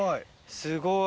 すごい。